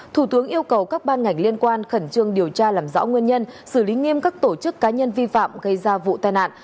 thủ tướng yêu cầu các ban ngành liên quan khẩn trương điều tra làm rõ nguyên nhân xử lý nghiêm các tổ chức cá nhân vi phạm gây ra vụ tai nạn